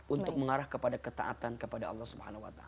untuk mengarah kepada ketaatan kepada allah swt